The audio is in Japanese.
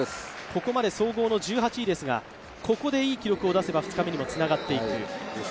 ここまで総合の１８位ですが、ここでいい記録を出せば、２日目にもつながっていく。